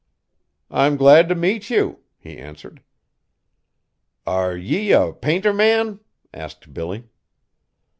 "I'm glad to meet you," he answered. "Are ye a painter man?" asked Billy.